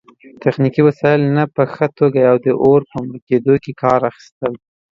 تخنیکي وسایلو نه په ښه توګه د اور په مړه کیدو کې کار اخیستل